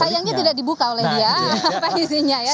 sayangnya tidak dibuka oleh dia apa isinya ya